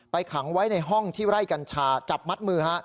ขังไว้ในห้องที่ไร่กัญชาจับมัดมือ